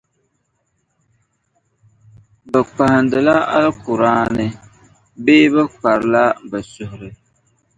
Bɛ kpahindila Alkur’aani, bee bε kparila bε suhiri?